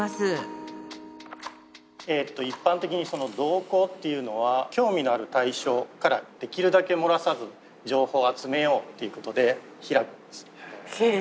一般的に瞳孔っていうのは興味のある対象からできるだけ漏らさず情報を集めようっていうことで開くんです。